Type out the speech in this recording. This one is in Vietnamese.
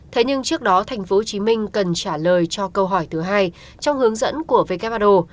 thế nhưng trước đó tp hcm cần trả lời cho câu hỏi thứ hai trong hướng dẫn của who